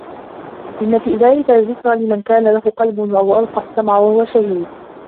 إِنَّ في ذلِكَ لَذِكرى لِمَن كانَ لَهُ قَلبٌ أَو أَلقَى السَّمعَ وَهُوَ شَهيدٌ